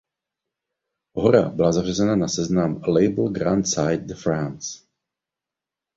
Hora byla zařazena na seznam Label Grand Site de France.